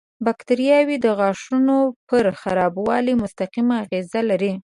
باکتریاوې د غاښونو پر خرابوالي مستقیم اغېز لري.